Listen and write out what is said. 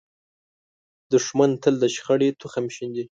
دښمن تل د شخړې تخم شیندي